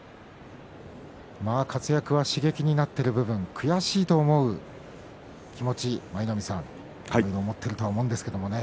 活躍は刺激になっている部分悔しいと思う気持ち持っていると思うんですけどね。